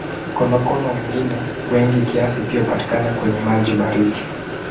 Konokono wengine wengi kiasi pia hupatikana kwenye maji baridi.